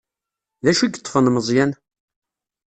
D acu i yeṭṭfen Meẓyan?